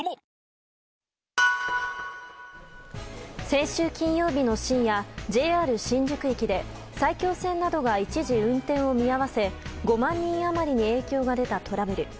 先週金曜日の深夜ＪＲ新宿駅で埼京線などが一時運転を見合わせ５万人余りに影響が出たトラブル。